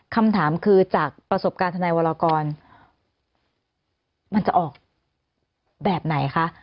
คำถามคือจากประสบการณ์ทนายวรกรมันจะออกแบบไหนคะ